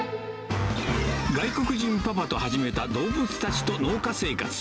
外国人パパと始めた動物たちと農家生活。